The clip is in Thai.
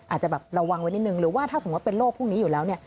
อาจจะแบบระวังไว้นิดนึงหรือว่าถ้าสมมุติเป็นโรคพวกนี้อยู่แล้วเนี่ย